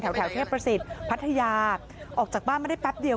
แถวเทพประสิทธิ์พัทยาออกจากบ้านมาได้แป๊บเดียว